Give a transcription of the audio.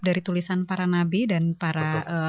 dari tulisan para nabi dan para